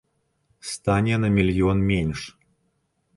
Стане на мільён менш.